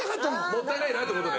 もったいないなと思ってて。